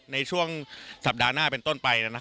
ในช่วงสัปดาห์หน้าเป็นต้นไป